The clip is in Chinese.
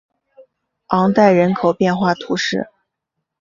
昂代人口变化图示